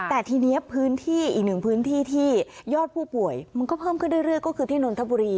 แต่ทีนี้พื้นที่อีกหนึ่งพื้นที่ที่ยอดผู้ป่วยมันก็เพิ่มขึ้นเรื่อยก็คือที่นนทบุรี